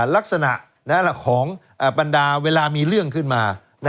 ลักษณะของบรรดาเวลามีเรื่องขึ้นมา